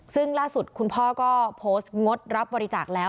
ซึ่งล่าสุดคุณพ่อก็โพสต์งดรับบริจาคแล้ว